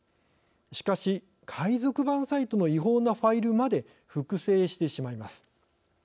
しかし、海賊版サイトの違法なファイルまで複製してしまいます。